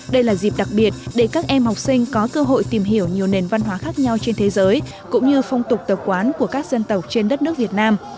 đây là dịp đặc biệt để các em học sinh có cơ hội tìm hiểu nhiều nền văn hóa khác nhau trên thế giới cũng như phong tục tập quán của các dân tộc trên đất nước việt nam